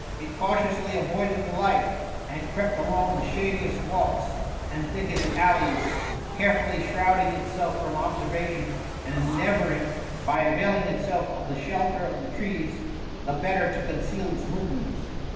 It cautiously avoided the light, and crept along the shadiest walks and thickest allies, carefully shrouding itself from observation, and endeavourtog, by availing itself of the shelter of the trees^ the better to oHiceal its movements.